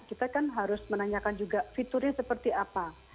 kita kan harus menanyakan juga fiturnya seperti apa